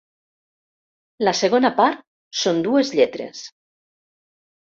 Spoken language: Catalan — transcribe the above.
La segona part són dues lletres.